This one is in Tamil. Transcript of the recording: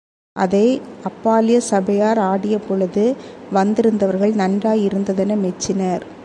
அதை அப்பால்ய சபையார் ஆடிய பொழுது, வந்திருந்தவர்கள் நன்றாயிருந்ததென மெச்சினர்.